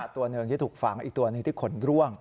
ตัวหนึ่งที่ถูกฝังอีกตัวหนึ่งที่ขนร่วง